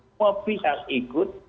semua pihak ikut